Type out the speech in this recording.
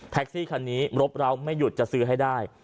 ซี่คันนี้รบร้าวไม่หยุดจะซื้อให้ได้